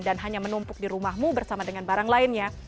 dan hanya menumpuk di rumahmu bersama dengan barang lainnya